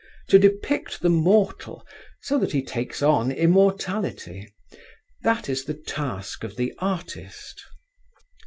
To depict the mortal so that he takes on immortality that is the task of the artist.